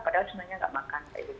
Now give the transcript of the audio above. padahal sebenarnya tidak